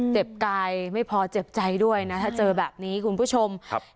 เจ็บกายไม่พอเจ็บใจด้วยนะถ้าเจอแบบนี้คุณผู้ชมครับ